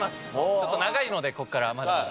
ちょっと長いのでここからまだまだ。